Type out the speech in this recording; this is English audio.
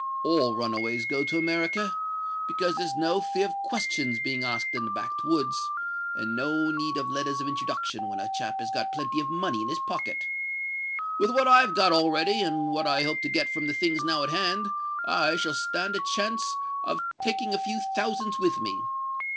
All run a ways go to America—because there's no fear of questions being asked in the back woods, and no need of letters of introduction when a chap has got plenty of money in his pocket. With what I've got already, and what I hope to get from the things now in hand, I shall stand a chance of taking a few thousands with me.